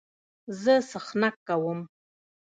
زه څخنک کوم.